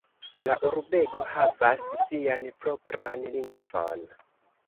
La urbego havas sian propran lingvon.